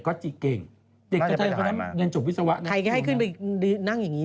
ก็ตัดแปะให้แม่อย่างนี้